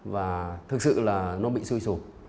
và thực sự là nó bị sưu sụp